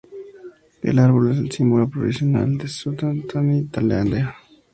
El árbol es el símbolo provincial de Surat Thani, Tailandia.